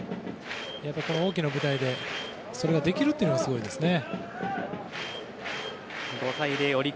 大きな舞台でそれができるのがすごいですね。